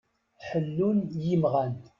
Ḥellun yimɣan.